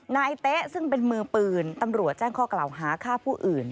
เต๊ะซึ่งเป็นมือปืนตำรวจแจ้งข้อกล่าวหาฆ่าผู้อื่น